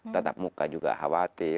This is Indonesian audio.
tetap muka juga khawatir